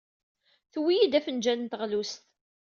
Tuwey-iyi-d afenjal n teɣlust.